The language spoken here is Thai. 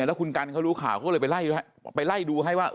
แล้วคุณกันเขารู้ข่าวเขาก็เลยไปไล่ดูให้ว่า